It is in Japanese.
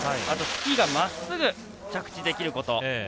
あと、スキーがまっすぐ着地できること。